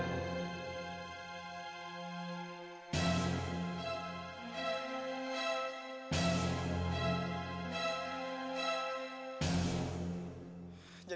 jadi begitulah kak